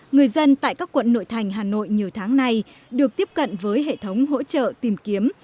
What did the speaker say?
người dân tại các quận nội thành hà nội nhiều tháng này được tiếp cận với hệ thống hỗ trợ tìm kiếm